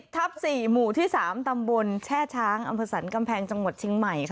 ๗๐ทับ๔หมู่ที่๓ตำบลแช่ช้างอัมพศัลกำแพงจังหวัดชิงใหม่